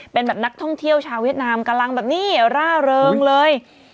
เป็นแบบนักท่องเที่ยวชาวเวียดนามกำลังแบบนี้ร่าเริงเลย